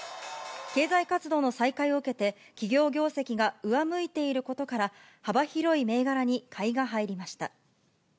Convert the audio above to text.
経済活動の再開を受けて、企業業績が上向いていることから、幅広い銘柄に買いが入りました。